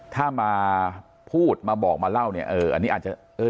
ถ้ามาพูดมาบอกมาเล่าเนี่ยเอออันนี้อาจจะเออ